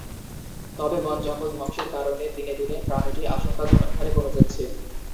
তবে বন-জঙ্গল ধ্বংসের কারণে দিনে দিনে প্রাণীটি আশঙ্কাজনক হারে কমে যাচ্ছে।